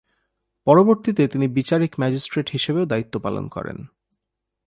পরবর্তীতে তিনি বিচারিক ম্যাজিস্ট্রেট হিসেবেও দায়িত্ব পালন করেন।